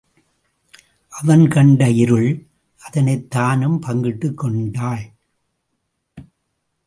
அவன் கண்ட இருள் அதனைத் தானும் பங்கிட்டுக் கொண்டாள்.